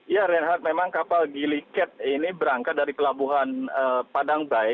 ya reinhardt memang kapal giliket ini berangkat dari pelabuhan padangbai